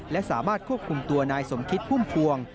และสามารถควบคุมตัวนายสมคิดพุ่มพวง